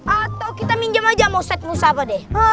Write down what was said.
atau kita minjem aja moset musa pak d